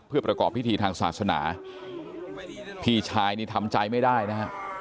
เพื่อประกอบพิธีทางศาสนาพี่ชายนี่ทำใจไม่ได้นะฮะ